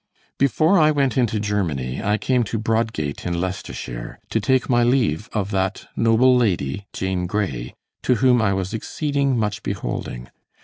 Before I went into Germany, I came to Broadgate in Leicestershire, to take my leave of that noble lady, Jane Grey, to whom I was exceeding much beholding.